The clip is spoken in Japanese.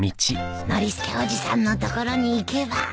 ノリスケおじさんのところに行けば